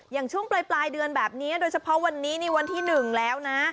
อย่างช่วงปลายเดือนแบบนี้โดยเฉพาะวันนี้นี่วันที่๑แล้วนะ